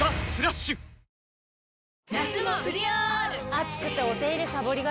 暑くてお手入れさぼりがち。